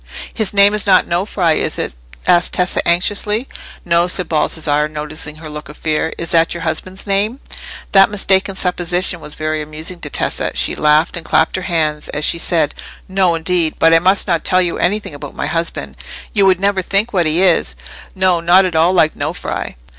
"His name is not Nofri, is it?" said Tessa, anxiously. "No," said Baldassarre, noticing her look of fear. "Is that your husband's name?" That mistaken supposition was very amusing to Tessa. She laughed and clapped her hands as she said— "No, indeed! But I must not tell you anything about my husband. You would never think what he is—not at all like Nofri!"